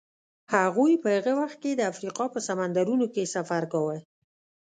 هغوی په هغه وخت کې د افریقا په سمندرونو کې سفر کاوه.